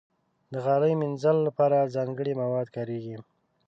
د غالۍ مینځلو لپاره ځانګړي مواد کارېږي.